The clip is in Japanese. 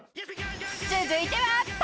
［続いては］